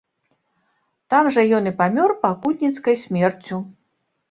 Там жа ён і памёр пакутніцкай смерцю.